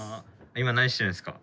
今何してるんですか？